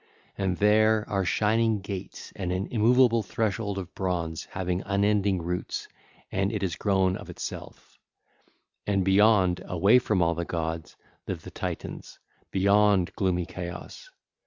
And there are shining gates and an immoveable threshold of bronze having unending roots and it is grown of itself 1625. And beyond, away from all the gods, live the Titans, beyond gloomy Chaos.